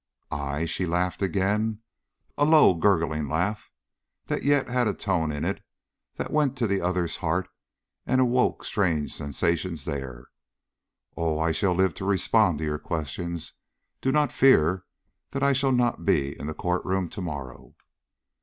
"I?" she laughed again a low, gurgling laugh, that yet had a tone in it that went to the other's heart and awoke strange sensations there. "Oh, I shall live to respond to your questions. Do not fear that I shall not be in the court room to morrow."